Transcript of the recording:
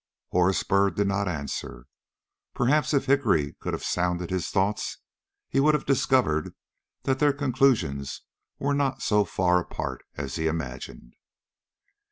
Horace Byrd did not answer. Perhaps if Hickory could have sounded his thoughts he would have discovered that their conclusions were not so far apart as he imagined.